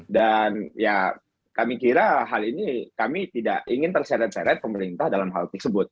dan ya kami kira hal ini kami tidak ingin terseret seret pemerintah dalam hal tersebut